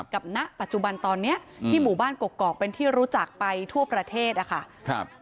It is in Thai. ณปัจจุบันตอนนี้ที่หมู่บ้านกกอกเป็นที่รู้จักไปทั่วประเทศนะคะ